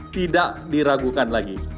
tidak diragukan lagi